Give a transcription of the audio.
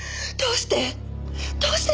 どうして！？